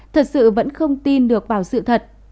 thật sự vẫn không tin được vào sự thật